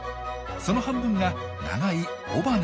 その半分が長い尾羽です。